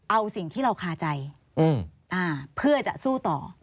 เอาสิ่งที่เราคาใจเพื่อจะสู้ต่อ